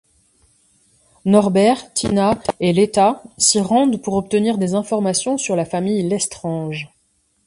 Norbert, Tina et Leta s'y rendent pour obtenir des informations sur la famille Lestrange.